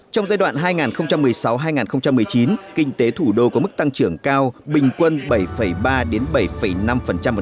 trong giai đoạn hai nghìn một mươi sáu hai nghìn một mươi chín kinh tế thủ đô có mức tăng trưởng cao bình quân bảy ba bảy năm vào